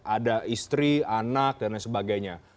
ada istri anak dan lain sebagainya